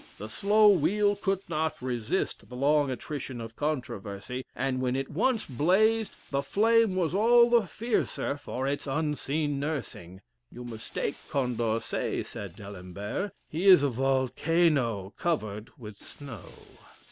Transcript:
The slow wheel could not resist the long attrition of controversy; and when it once blazed, the flame was all the fiercer for its unseen nursing. 'You mistake Condorcet,' said D'Alembert, 'he is a volcano covered with snow.'"